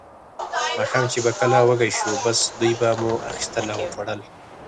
ماښام چې به کله وږي شوو، بس دوی به مو اخیستل او خوړل.